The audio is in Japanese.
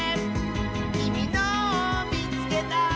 「きみのをみつけた！」